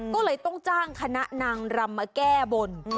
ก็เลยต้องจ้างคณะนางรำมาแก้บน